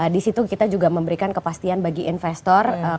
di situ kita juga memberikan kepastian bagi informasi